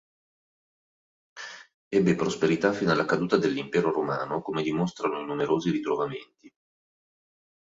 Ebbe prosperità fino alla caduta dell'impero come dimostrano i numerosi ritrovamenti.